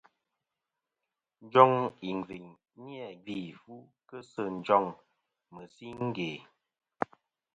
Njoŋ ìngviyn ni-a gvi fu kɨ sɨ njoŋ mɨ̀singe.